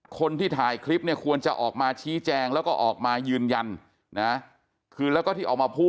คนที่ถ่ายคลิปเนี่ยควรจะออกมาชี้แจงแล้วก็ออกมายืนยันนะคือแล้วก็ที่ออกมาพูด